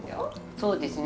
そうですね。